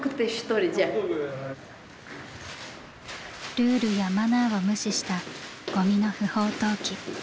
ルールやマナーを無視したゴミの不法投棄。